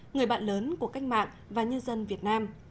người bạn lớn của cách mạng và nhân dân việt nam